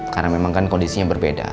karena memang kan kondisinya berbeda